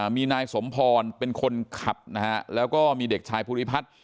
มีนายสมพรเป็นคนขับนะฮะแล้วก็มีเด็กชายภูริพัฒน์